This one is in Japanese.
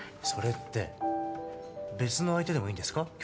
それって別の相手でもいいんですか？